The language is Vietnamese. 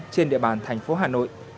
trên địa bàn thành phố hà nội